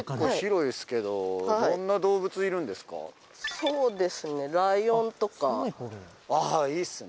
そうですねライオンとかああいいっすね